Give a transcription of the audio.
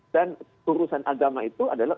dan urusan agama itu adalah